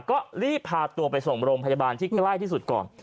ก็รีบพาตัวไปส่งโรงพยาบาลที่ใกล้ที่สุดก่อน